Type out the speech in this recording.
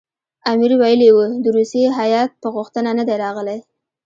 امیر ویلي وو د روسیې هیات په غوښتنه نه دی راغلی.